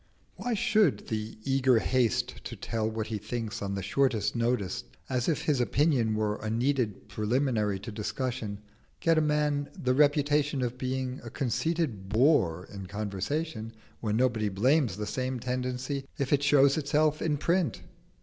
Why should the eager haste to tell what he thinks on the shortest notice, as if his opinion were a needed preliminary to discussion, get a man the reputation of being a conceited bore in conversation, when nobody blames the same tendency if it shows itself in print?